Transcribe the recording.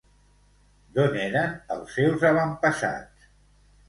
D'on eren els seus avantpassats?